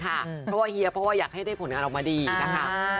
เพราะว่าเฮียเพราะว่าอยากให้ได้ผลงานออกมาดีนะคะ